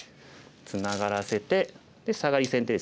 ツナがらせて。でサガリ先手ですね。